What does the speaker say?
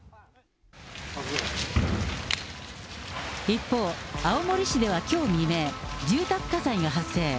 一方、青森市ではきょう未明、住宅火災が発生。